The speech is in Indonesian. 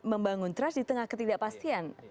membangun trust di tengah ketidakpastian